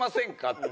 って。